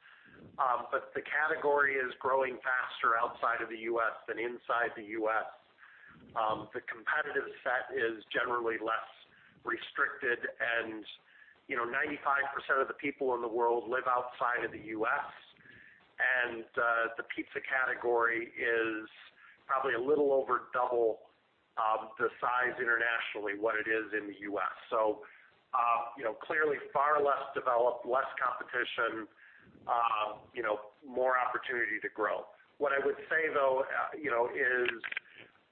The category is growing faster outside of the U.S. than inside the U.S. The competitive set is generally less restricted and 95% of the people in the world live outside of the U.S. The pizza category is probably a little over double the size internationally what it is in the U.S. Clearly far less developed, less competition, more opportunity to grow. What I would say though is,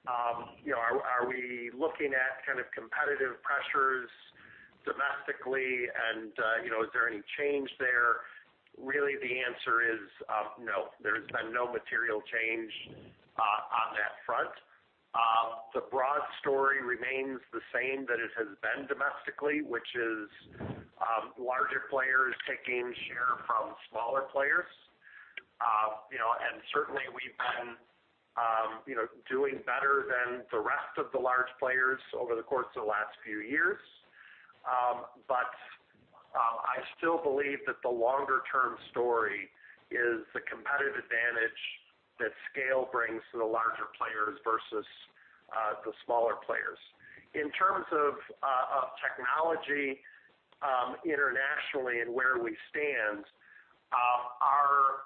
are we looking at kind of competitive pressures domestically and is there any change there? Really, the answer is no. There's been no material change. The broad story remains the same that it has been domestically, which is larger players taking share from smaller players. Certainly, we've been doing better than the rest of the large players over the course of the last few years. I still believe that the longer-term story is the competitive advantage that scale brings to the larger players versus the smaller players. In terms of technology internationally and where we stand, our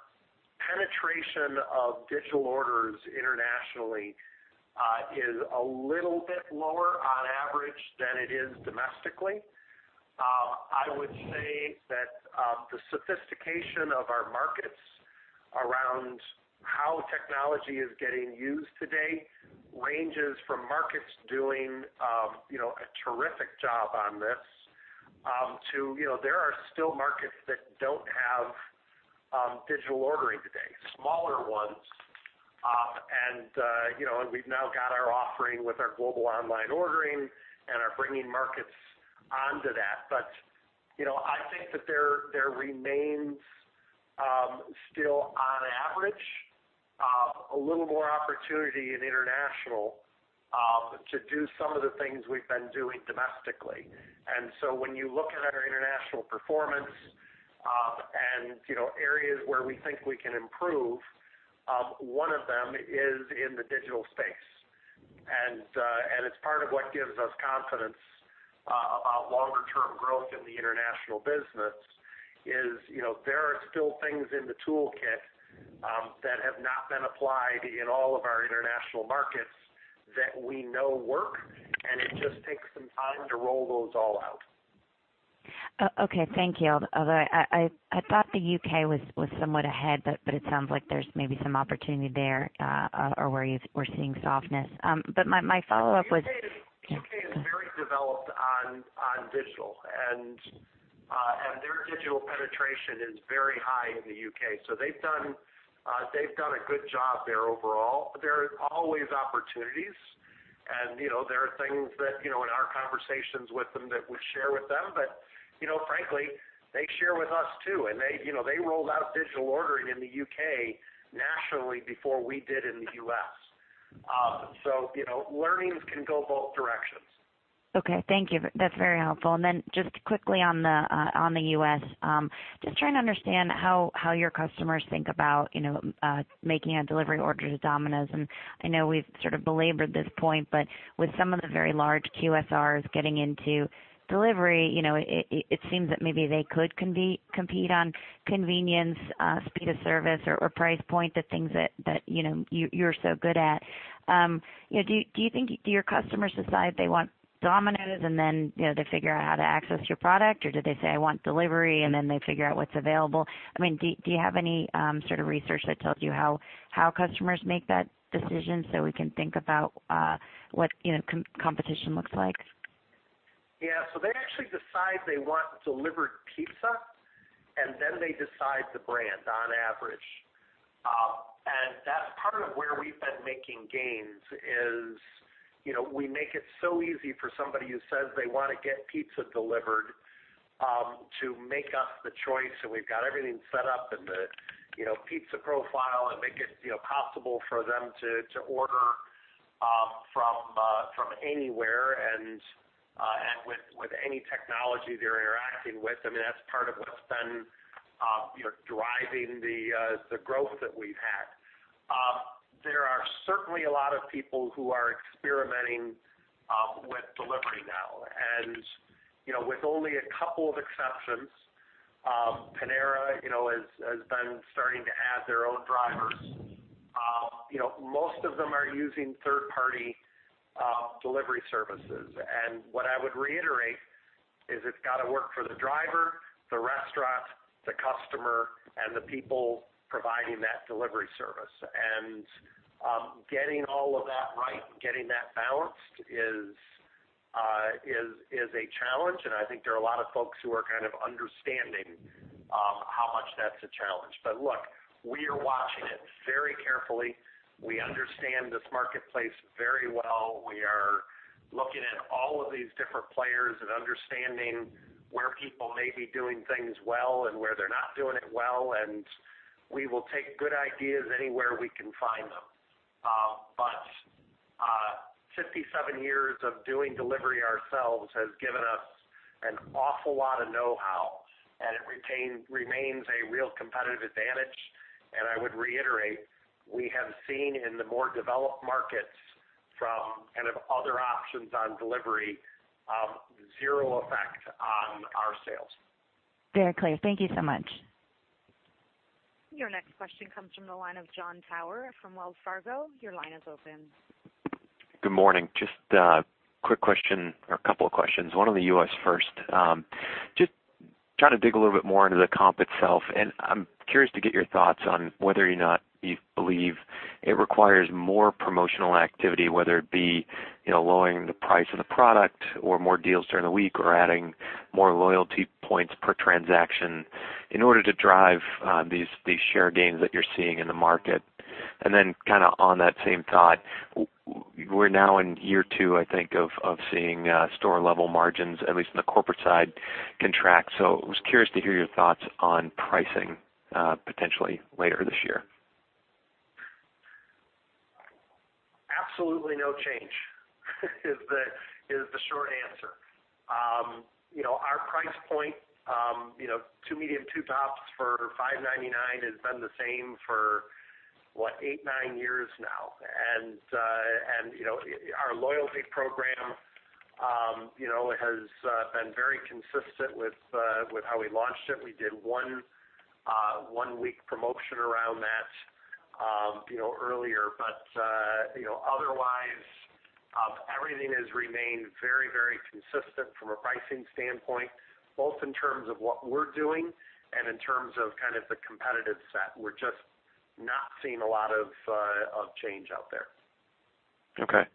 penetration of digital orders internationally is a little bit lower on average than it is domestically. I would say that the sophistication of our markets around how technology is getting used today ranges from markets doing a terrific job on this, there are still markets that don't have digital ordering today, smaller ones. We've now got our offering with our Global Online Ordering and are bringing markets onto that. I think that there remains, still on average, a little more opportunity in international to do some of the things we've been doing domestically. When you look at our international performance, and areas where we think we can improve, one of them is in the digital space. It's part of what gives us confidence about longer-term growth in the international business is there are still things in the toolkit that have not been applied in all of our international markets that we know work, and it just takes some time to roll those all out. Okay. Thank you. Although I thought the U.K. was somewhat ahead, it sounds like there's maybe some opportunity there, or where you're seeing softness. My follow-up was. U.K. is very developed on digital, and their digital penetration is very high in the U.K. They've done a good job there overall. There are always opportunities, and there are things that, in our conversations with them, that we share with them. Frankly, they share with us, too. They rolled out digital ordering in the U.K. nationally before we did in the U.S. Learnings can go both directions. Okay. Thank you. That's very helpful. Then just quickly on the U.S., just trying to understand how your customers think about making a delivery order to Domino's. I know we've sort of belabored this point, but with some of the very large QSRs getting into delivery, it seems that maybe they could compete on convenience, speed of service, or price point, the things that you're so good at. Do your customers decide they want Domino's and then they figure out how to access your product? Do they say, "I want delivery," and then they figure out what's available? Do you have any sort of research that tells you how customers make that decision so we can think about what competition looks like? They actually decide they want delivered pizza, and then they decide the brand on average. That's part of where we've been making gains is we make it so easy for somebody who says they want to get pizza delivered to make us the choice. We've got everything set up in the pizza profile and make it possible for them to order from anywhere and with any technology they're interacting with. That's part of what's been driving the growth that we've had. There are certainly a lot of people who are experimenting with delivery now. With only a couple of exceptions, Panera has been starting to add their own drivers. Most of them are using third-party delivery services. What I would reiterate is it's got to work for the driver, the restaurant, the customer, and the people providing that delivery service. Getting all of that right and getting that balanced is a challenge, and I think there are a lot of folks who are kind of understanding how much that's a challenge. Look, we are watching it very carefully. We understand this marketplace very well. We are looking at all of these different players and understanding where people may be doing things well and where they're not doing it well. We will take good ideas anywhere we can find them. 57 years of doing delivery ourselves has given us an awful lot of know-how, and it remains a real competitive advantage. I would reiterate, we have seen in the more developed markets from kind of other options on delivery, zero effect on our sales. Very clear. Thank you so much. Your next question comes from the line of Jon Tower from Wells Fargo. Your line is open. Good morning. A quick question or a couple of questions. On the U.S. first. Trying to dig a little bit more into the comp itself. I'm curious to get your thoughts on whether or not you believe it requires more promotional activity, whether it be lowering the price of the product or more deals during the week or adding more loyalty points per transaction in order to drive these share gains that you're seeing in the market. On that same thought, we're now in year 2, I think, of seeing store level margins, at least on the corporate side, contract. I was curious to hear your thoughts on pricing potentially later this year. Absolutely no change is the short answer. Our price point, two medium, two tops for $5.99 has been the same for what, 8, 9 years now. Our loyalty program has been very consistent with how we launched it. We did one 1-week promotion around that earlier. Otherwise, everything has remained very, very consistent from a pricing standpoint, both in terms of what we're doing and in terms of the competitive set. We're just not seeing a lot of change out there. Okay.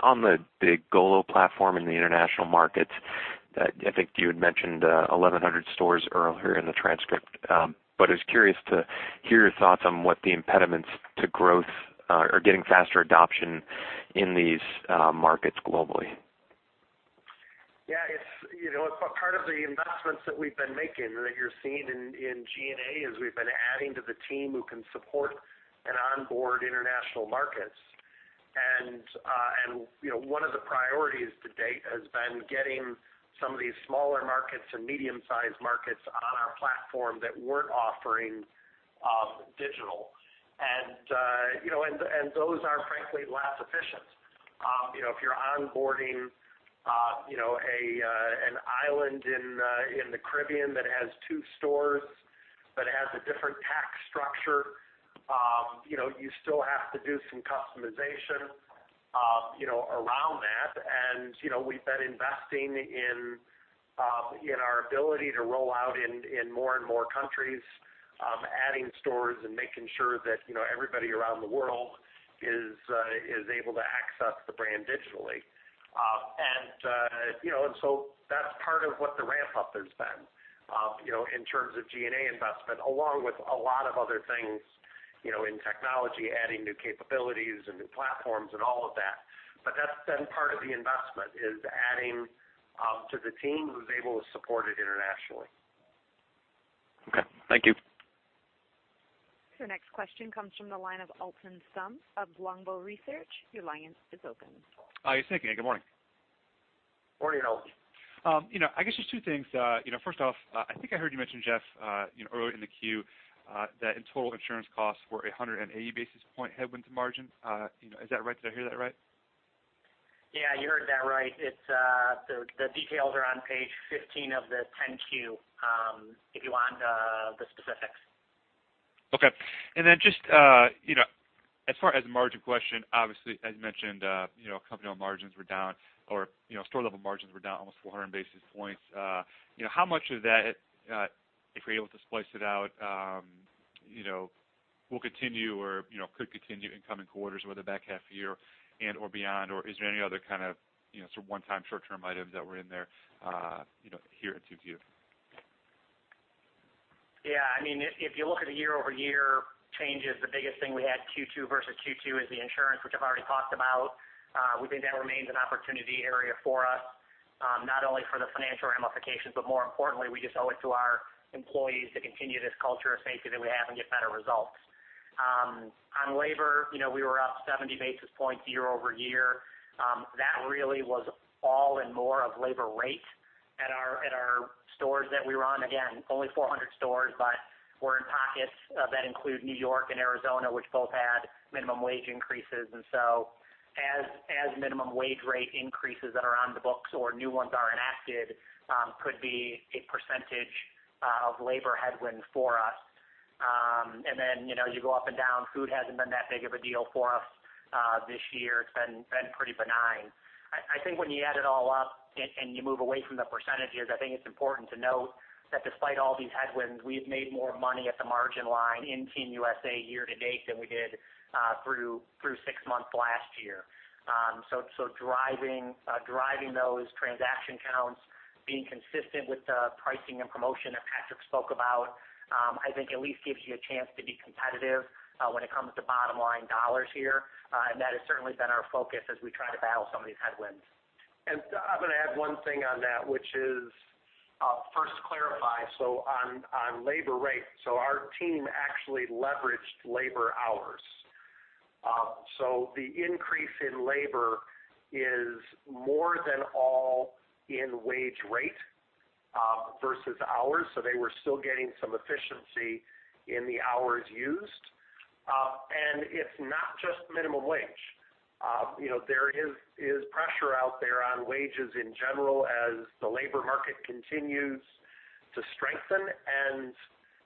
On the GOLO platform in the international markets, I think you had mentioned 1,100 stores earlier in the transcript. I was curious to hear your thoughts on what the impediments to growth are getting faster adoption in these markets globally. Yeah. Part of the investments that we've been making and that you're seeing in G&A is we've been adding to the team who can support and onboard international markets. One of the priorities to date has been getting some of these smaller markets and medium sized markets on our platform that weren't offering digital. Those are frankly less efficient. If you're onboarding an island in the Caribbean that has 2 stores, but has a different tax structure, you still have to do some customization around that. We've been investing in our ability to roll out in more and more countries, adding stores and making sure that everybody around the world is able to access the brand digitally. That's part of what the ramp-up has been, in terms of G&A investment, along with a lot of other things in technology, adding new capabilities and new platforms and all of that. That's been part of the investment is adding to the team who's able to support it internationally. Okay. Thank you. Your next question comes from the line of Alton Stump of Longbow Research. Your line is open. Hi. Thanks. Good morning. Morning, Alton. I guess there's two things. First off, I think I heard you mention, Jeff, earlier in the queue, that in total insurance costs were 180 basis point headwind to margin. Is that right? Did I hear that right? Yeah, you heard that right. The details are on page 15 of the 10-Q, if you want the specifics. Okay. Just as far as the margin question, obviously, as mentioned, company margins were down or store level margins were down almost 400 basis points. How much of that, if you're able to splice it out, will continue or could continue in coming quarters over the back half year or beyond? Or is there any other kind of one-time short term items that were in there here in 2Q? Yeah. If you look at the year-over-year changes, the biggest thing we had Q2 versus Q2 is the insurance, which I've already talked about. We think that remains an opportunity area for us, not only for the financial ramifications, but more importantly, we just owe it to our employees to continue this culture of safety that we have and get better results. On labor, we were up 70 basis points year-over-year. That really was all and more of labor rate at our stores that we were on. Again, only 400 stores, but we're in pockets that include New York and Arizona, which both had minimum wage increases. As minimum wage rate increases that are on the books or new ones are enacted, could be a percentage of labor headwind for us. Then, you go up and down. Food hasn't been that big of a deal for us this year. It's been pretty benign. I think when you add it all up and you move away from the percentages, I think it's important to note that despite all these headwinds, we've made more money at the margin line in Team USA year-to-date than we did through 6 months last year. Driving those transaction counts, being consistent with the pricing and promotion that Patrick spoke about, I think at least gives you a chance to be competitive when it comes to bottom line dollars here. That has certainly been our focus as we try to battle some of these headwinds. I'm going to add one thing on that, which is first clarify. On labor rate, our team actually leveraged labor hours. The increase in labor is more than all in wage rate versus hours. They were still getting some efficiency in the hours used. It's not just minimum wage. There is pressure out there on wages in general as the labor market continues to strengthen, and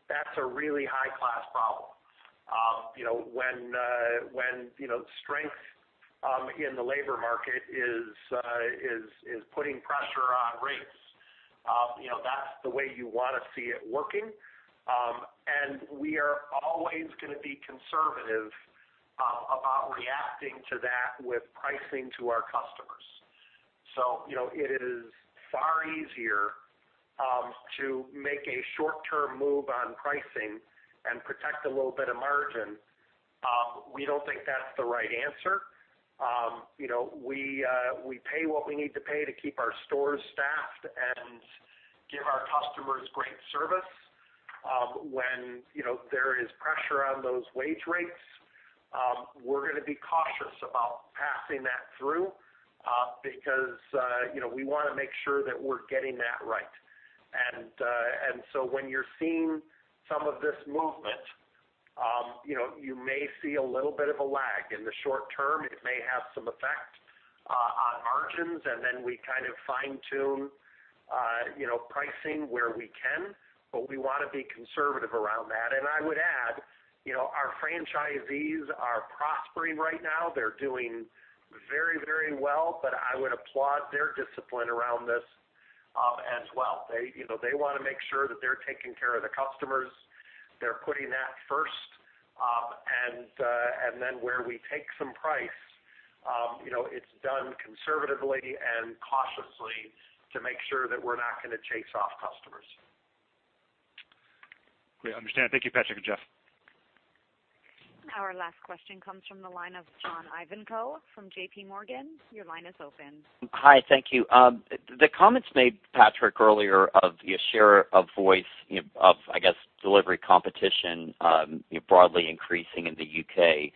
that's a really high-class problem. When strength in the labor market is putting pressure on rates. That's the way you want to see it working. We are always going to be conservative about reacting to that with pricing to our customers. It is far easier to make a short-term move on pricing and protect a little bit of margin. We don't think that's the right answer. We pay what we need to pay to keep our stores staffed and give our customers great service. When there is pressure on those wage rates, we're going to be cautious about passing that through, because we want to make sure that we're getting that right. When you're seeing some of this movement, you may see a little bit of a lag. In the short term, it may have some effect on margins, then we kind of fine-tune pricing where we can, but we want to be conservative around that. I would add, our franchisees are prospering right now. They're doing very well, but I would applaud their discipline around this as well. They want to make sure that they're taking care of the customers. They're putting that first. Then where we take some price, it's done conservatively and cautiously to make sure that we're not going to chase off customers. Great. Understand. Thank you, Patrick and Jeff. Our last question comes from the line of John Ivankoe from JP Morgan. Your line is open. Hi, thank you. The comments made, Patrick, earlier of share of voice of, I guess, delivery competition broadly increasing in the U.K.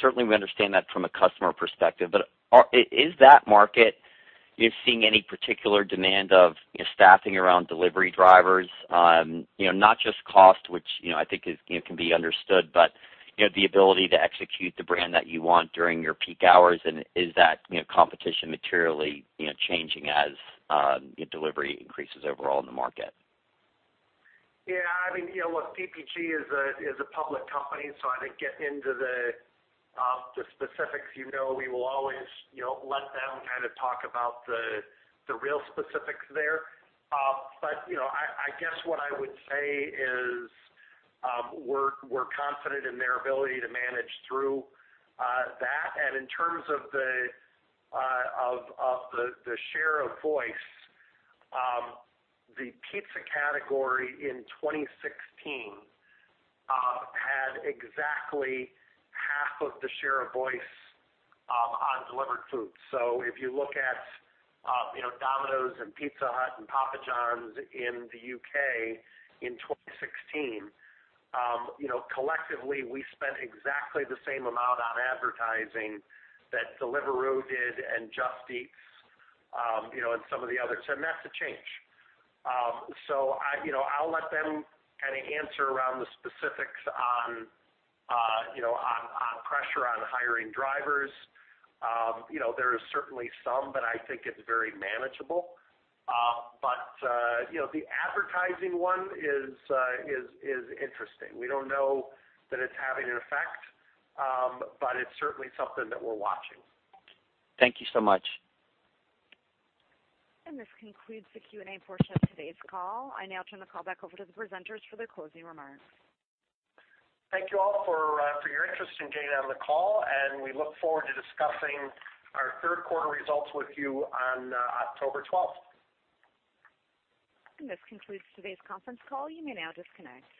Certainly, we understand that from a customer perspective, but is that market seeing any particular demand of staffing around delivery drivers? Not just cost, which I think can be understood, but the ability to execute the brand that you want during your peak hours. Is that competition materially changing as delivery increases overall in the market? Yeah. Look, DPG is a public company, so I think getting into the specifics, we will always let them kind of talk about the real specifics there. I guess what I would say is we're confident in their ability to manage through that. In terms of the share of voice, the pizza category in 2016 had exactly half of the share of voice on delivered food. If you look at Domino's and Pizza Hut and Papa John's in the U.K. in 2016, collectively, we spent exactly the same amount on advertising that Deliveroo did and Just Eat and some of the others, and that's a change. I'll let them kind of answer around the specifics on pressure on hiring drivers. There is certainly some, but I think it's very manageable. The advertising one is interesting. We don't know that it's having an effect, but it's certainly something that we're watching. Thank you so much. This concludes the Q&A portion of today's call. I now turn the call back over to the presenters for their closing remarks. Thank you all for your interest in getting on the call, and we look forward to discussing our third quarter results with you on October 12th. This concludes today's conference call. You may now disconnect.